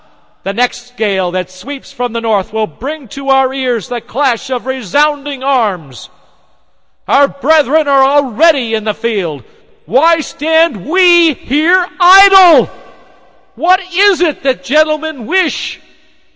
The next gale that sweeps from the north will bring to our ears the clash of resounding arms! Our brethren are already in the field! Why stand we here idle? What is it that gentlemen wish?